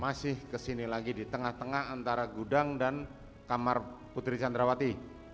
masih ke sini lagi di tengah tengah antara gudang dan kamar putri chandrawati